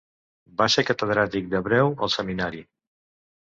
Va ser catedràtic d'hebreu al Seminari.